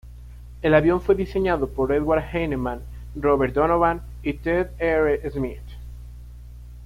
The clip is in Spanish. El avión fue diseñado por Edward Heinemann, Robert Donovan, y Ted R. Smith.